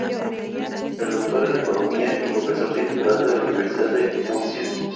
Es doctor en Economía y profesor titular en la Universidad de Murcia.